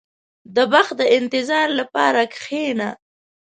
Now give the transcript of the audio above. • د بخت د انتظار لپاره کښېنه.